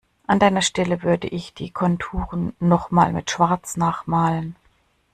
An deiner Stelle würde ich die Konturen noch mal mit Schwarz nachmalen.